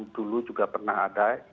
dulu juga pernah ada